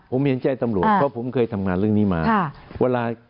ผมเห็นใจตำรวจเพราะผมเคยทำงานเรื่องนี้มาเวลา